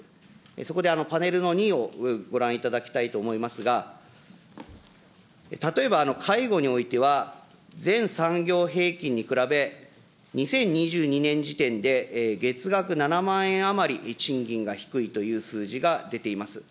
そこで、パネルの２をご覧いただきたいと思いますが、例えば、介護においては、全産業平均に比べ、２０２２年時点で、月額７万円余り賃金が低いという数字が出ています。